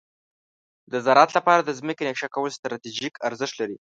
د زراعت لپاره د ځمکې نقشه کول ستراتیژیک ارزښت لري.